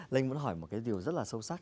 linh muốn hỏi một cái điều rất là sâu sắc